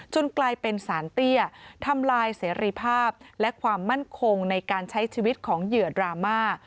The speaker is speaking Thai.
กลายเป็นสารเตี้ยทำลายเสรีภาพและความมั่นคงในการใช้ชีวิตของเหยื่อดราม่า